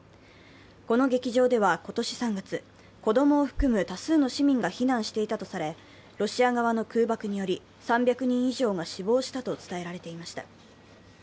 この劇場では今年３月、子供を含む多数の市民が避難していたとされロシア側の空爆により３００人以上が死亡したと伝えられていました。